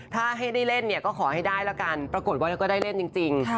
ถ้าให้ได้เล่นเนี่ยก็ขอให้ได้ละกันปรากฏว่าเธอก็ได้เล่นจริง